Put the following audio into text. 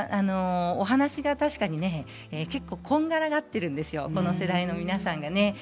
お話が確かに結構、こんがらがっているんですよ、この世代の皆さんがね。